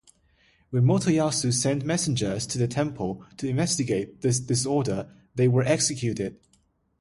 When Motoyasu sent messengers to their temple to investigate the disorder they were executed.